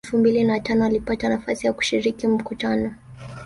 Mwaka elfu mbili na tano alipata nafasi ya kushiriki mkutano